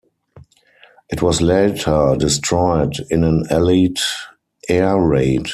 It was later destroyed in an Allied air raid.